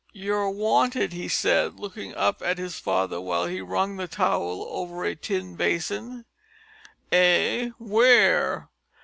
"You're wanted," he said, looking up at his father while he wrung the towel over a tin basin. "Eh! Where?"